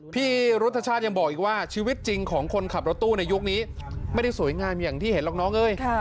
พี่รุธชาติยังบอกอีกว่าชีวิตจริงของคนขับรถตู้ในยุคนี้ไม่ได้สวยงามอย่างที่เห็นหรอกน้องเอ้ย